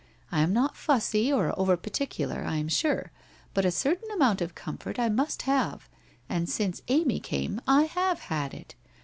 I am not fussy or over par ticular, I am sure, but a certain amount of comfort I must have, and since Amy came, I have had it.